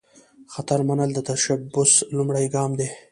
خطر منل، د تشبث لومړۍ ګام دی.